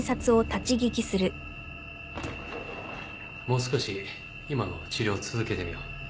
もう少し今の治療を続けてみよう